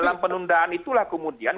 dalam penundaan itulah kemudian